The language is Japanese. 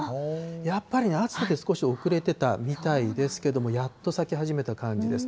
やっぱり暑さで遅れてたみたいですけど、やっと咲き始めた感じです。